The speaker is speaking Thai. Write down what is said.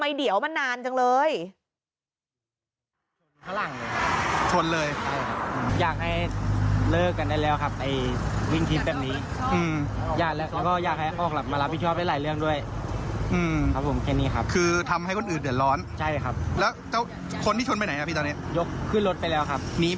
ไหนเดี๋ยวกลับมาเคลียร์ทำไมเดี๋ยวมานานจังเลย